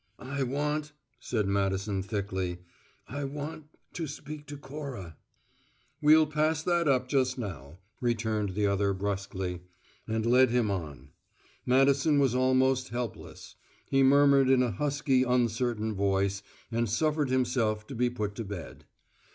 "I want," said Madison thickly "I want to speak to Cora." "We'll pass that up just now," returned the other brusquely, and led him on. Madison was almost helpless: he murmured in a husky, uncertain voice, and suffered himself to be put to bed.